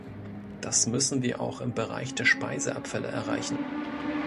Das müssen wir auch im Bereich der Speiseabfälle erreichen.